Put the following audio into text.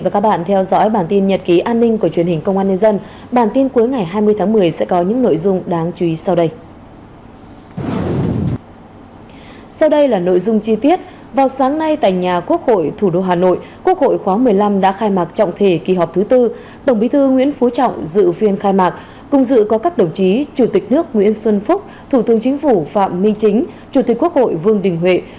các bạn hãy đăng ký kênh để ủng hộ kênh của chúng mình nhé